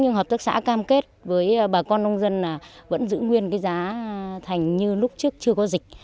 nhưng hợp tác xã cam kết với bà con nông dân là vẫn giữ nguyên cái giá thành như lúc trước chưa có dịch